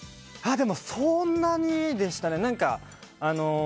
そんなにでしたね。